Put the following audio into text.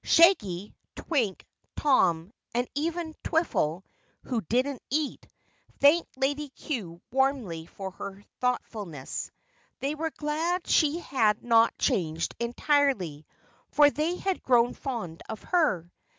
Shaggy, Twink, Tom, and even Twiffle who didn't eat thanked Lady Cue warmly for her thoughtfulness. They were glad she had not changed entirely, for they had grown fond of her.